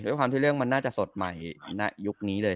ด้วยความที่เรื่องมันน่าจะสดใหม่ณยุคนี้เลย